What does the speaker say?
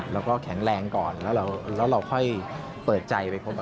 แล้วก็แข็งแรงก่อนแล้วเราค่อยเปิดใจไปพบกับ